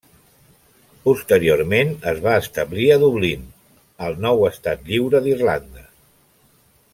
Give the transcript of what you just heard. Posteriorment es va establir a Dublín, al nou Estat Lliure d'Irlanda.